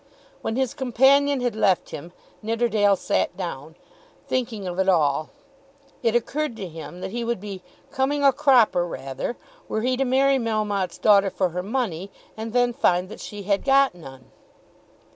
When his companion had left him, Nidderdale sat down, thinking of it all. It occurred to him that he would "be coming a cropper rather," were he to marry Melmotte's daughter for her money, and then find that she had got none.